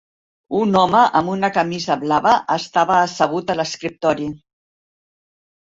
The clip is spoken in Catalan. Un home amb una camisa blava estava assegut a l'escriptori.